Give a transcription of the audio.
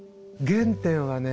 原点はね